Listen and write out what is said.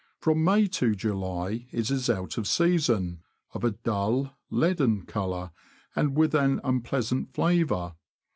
From May to July it is out of season, of a dull, leaden colour, and with an unpleasant flavour.